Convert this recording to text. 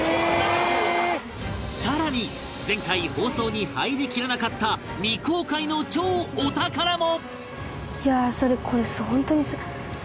さらに前回放送に入りきらなかった未公開の超お宝も！